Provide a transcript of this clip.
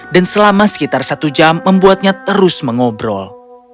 dan selama sekitar satu jam membuatnya terus mengobrol